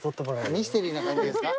ミステリーな感じですか？